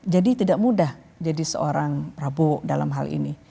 jadi tidak mudah jadi seorang prabu dalam hal ini